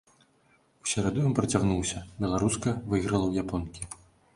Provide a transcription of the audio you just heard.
У сераду ён працягнуўся, беларуска выйграла ў японкі.